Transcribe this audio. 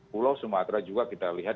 pulau sumatera juga kita lihat